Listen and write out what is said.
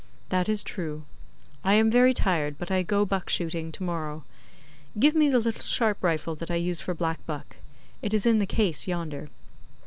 'That is true. I am very tired, but I go buck shooting to morrow. Give me the little sharp rifle that I use for black buck; it is in the case yonder.